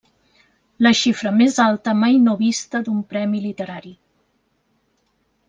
La xifra més alta mai no vista d'un premi literari.